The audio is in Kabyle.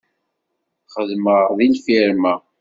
Xeddmeɣ deg lfirma.